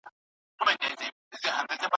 څنګه قاضیان بې پري پرېکړي کوي؟